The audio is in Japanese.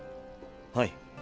はい。